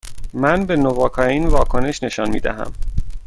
من به نواکائین واکنش نشان می دهم.